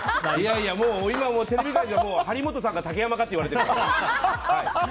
もう今、テレビ界では張本さんか竹山かって言われてる。